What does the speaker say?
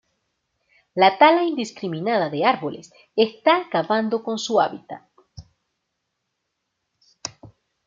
La tala indiscriminada de árboles está acabando con su hábitat.